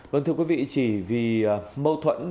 vâng thưa quý vị chỉ vì mâu thuẫn